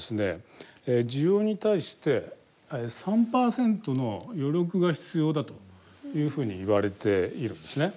需要に対して３％の余力が必要だというふうにいわれているんですね。